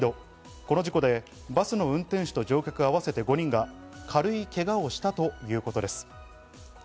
この事故でバスの運転手と乗客合わせて５人が軽いけがをしたということです。